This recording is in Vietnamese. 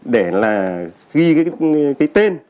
để là ghi cái tên